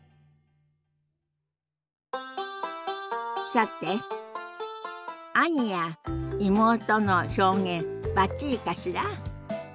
さて「兄」や「妹」の表現バッチリかしら？